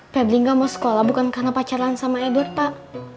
pep gue gak mau sekolah bukan karena pacaran sama edward pak